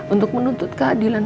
untuk menuntut keadilan